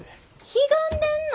ひがんでんの？